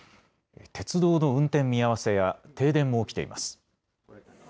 鉄道の運転見合わせや停電も起きています。